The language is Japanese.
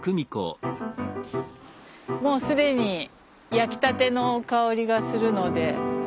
もう既に焼きたての香りがするので。